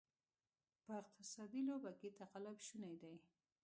په اقتصادي لوبه کې تقلب شونې دی.